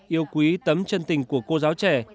yêu quý tấm chân tình của cô giáo trẻ